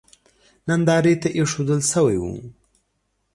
نندارې ته اېښودل شوی و.